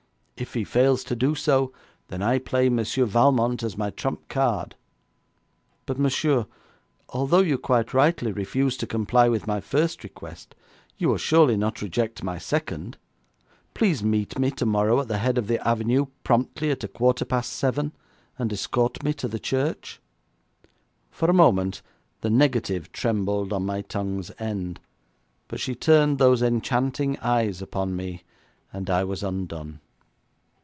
'If he fails to do so, then I play Monsieur Valmont as my trump card. But, monsieur, although you quite rightly refuse to comply with my first request, you will surely not reject my second. Please meet me tomorrow at the head of the avenue, promptly at a quarter past seven, and escort me to the church.' For a moment the negative trembled on my tongue's end, but she turned those enchanting eyes upon me, and I was undone.